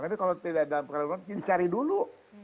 jadi kalau tidak dalam keadaan normal jadi cari dulu